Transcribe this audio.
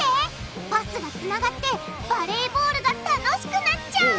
パスがつながってバレーボールが楽しくなっちゃう！